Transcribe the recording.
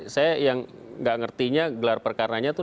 saya yang tidak mengerti gelar perkara itu